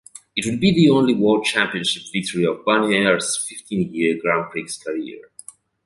It would be the only World Championship victory of Bonnier's fifteen-year Grand Prix career.